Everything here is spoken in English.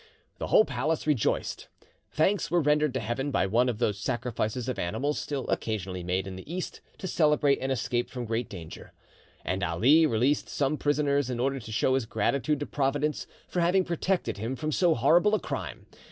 The whole palace rejoiced, thanks were rendered to Heaven by one of those sacrifices of animals still occasionally made in the East to celebrate an escape from great danger, and Ali released some prisoners in order to show his gratitude to Providence for having protected him from so horrible a crime.